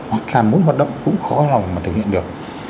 hoặc là mỗi hoạt động cũng khó lòng mà thực hiện được